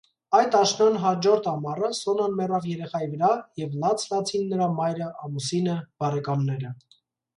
Այդ աշնան հանջորդ ամառը Սոնան մեռավ երեխայի վրա և լաց լացին նրա մայրը, ամուսինը, բարեկամները: